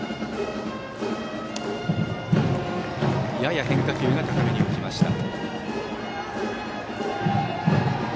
やや変化球が高めに浮きました。